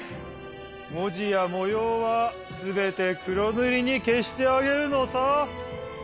もじやもようはすべてくろぬりにけしてあげるのさ。